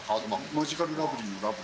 マヂカルラブリーのラブ。